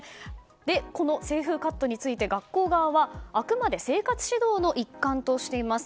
この清風カットについて学校側はあくまで生活指導の一環としています。